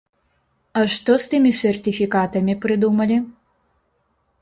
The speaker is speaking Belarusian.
А што з тымі сертыфікатамі прыдумалі?